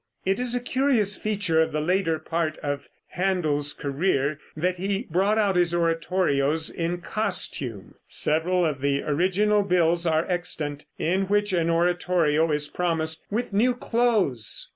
It is a curious feature of the later part of Händel's career that he brought out his oratorios in costume. Several of the original bills are extant, in which an oratorio is promised "with new cloathes."